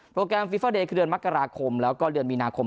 แกรมฟีฟาเดย์คือเดือนมกราคมแล้วก็เดือนมีนาคม